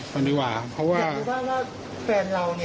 เพราะว่าแฟนเรากับทางคนนั้นเป็นอะไรกันที่